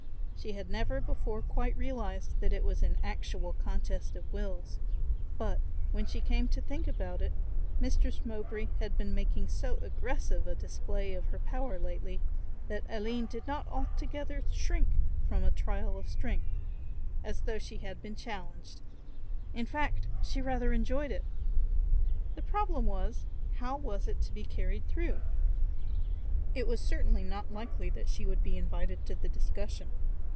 She had never before quite realised that it was an actual contest of wills; but, when she came to think about it, Mistress Mowbray had been making so aggressive a display of her power lately that Aline did not altogether shrink from a trial of strength, as though she had been challenged; in fact she rather enjoyed it. The problem was, how was it to be carried through? It was certainly not likely that she would be invited to the discussion.